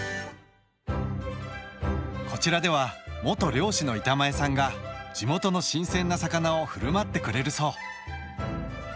こちらでは元漁師の板前さんが地元の新鮮な魚を振る舞ってくれるそう。